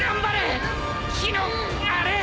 木のあれ！